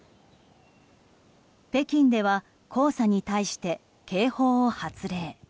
北京では黄砂に対して警報を発令。